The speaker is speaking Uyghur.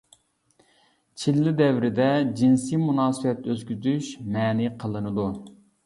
چىللە دەۋرىدە جىنسىي مۇناسىۋەت ئۆتكۈزۈش مەنئى قىلىنىدۇ.